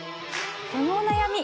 そのお悩み